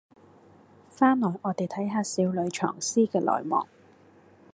翻來我哋睇下少女藏屍嘅內幕